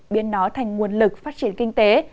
biến nó thành nguồn lực phát triển kinh tế